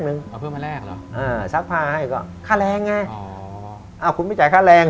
นมแพ็คหนึ่ง